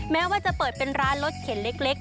แม้ว่าจะเปิดเป็นร้านรถเข็นเล็ก